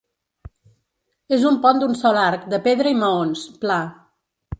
És un pont d'un sol arc de pedra i maons, pla.